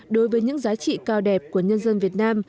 đối với những giá trị cao đẹp của nhân dân việt nam